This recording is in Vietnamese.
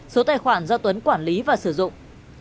số tài khoản do tuấn quản lý và sử dụng